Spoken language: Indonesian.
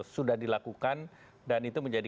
sudah dilakukan dan itu menjadi